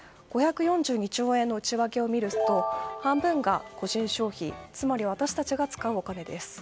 ５４２兆円の内訳を見ると半分が個人消費つまり私たちが使うお金です。